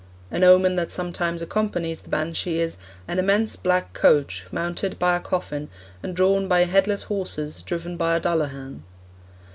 An omen that sometimes accompanies the banshee is '... an immense black coach, mounted by a coffin, and drawn by headless horses driven by a Dullahan.'